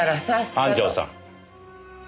安城さん。